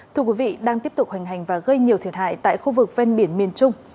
thưa quý vị đang tiếp tục hoành hành và gây nhiều thiệt hại tại khu vực ven biển miền trung